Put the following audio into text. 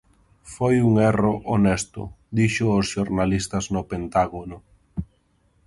"Foi un erro honesto", dixo aos xornalistas no Pentágono.